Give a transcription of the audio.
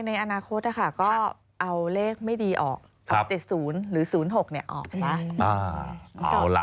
ในอนาคตก็เอาเลขไม่ดีออก๗๐หรือ๐๖ออกซะ